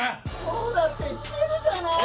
そうだって言ってるじゃない！